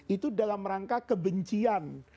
itu dalam rangka kebencian